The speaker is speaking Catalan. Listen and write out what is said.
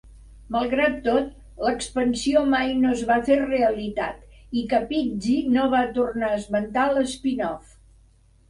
Malgrat tot, l'expansió mai no es va fer realitat i Capizzi no va tornar a esmentar l'spin-off.